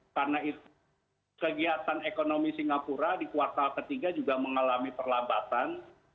karena itu kegiatan ekonomi singapura di kuartal ketiga juga mengalami perlambatan